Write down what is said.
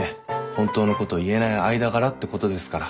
本当のこと言えない間柄ってことですから。